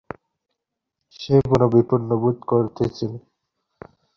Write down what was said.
সে বড় বিপন্নবোধ করিতেছিল।